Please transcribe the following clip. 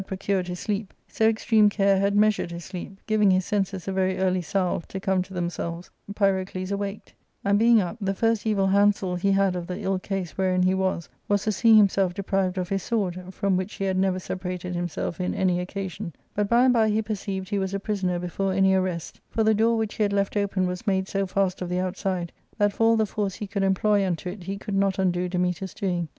Book IK 425 pfTOcnred his sleq), so extreme care had measured his sleep, giving his senses a very early salve to come to themselves, Pyrocles awaked ; and being up, the first evil handsel* he had of the ill case wherein he was was the seeing himself de prived of his sword, from which he had never separated him self in any occasion ; but by and by he perceived he was a pri soner before any arrest; for the door which he had left open was made so fast of the outside that for all the force he could em ploy unto it he could not undo Dametas' doing.